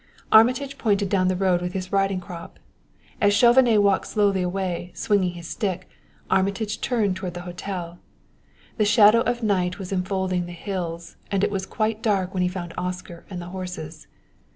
Armitage pointed down the road with his riding crop. As Chauvenet walked slowly away, swinging his stick, Armitage turned toward the hotel. The shadow of night was enfolding the hills, and it was quite dark when he found Oscar and the horses.